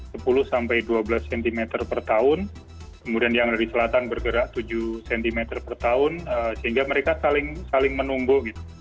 sepuluh sampai dua belas cm per tahun kemudian yang dari selatan bergerak tujuh cm per tahun sehingga mereka saling menunggu